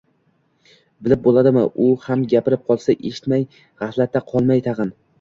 Bilib boʻladimi, u ham gapirib qolsa, eshitmay gʻaflatda qolmay, tagʻin.